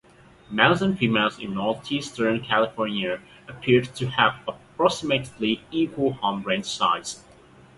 Males and females in northeastern California appeared to have approximately equal home range size.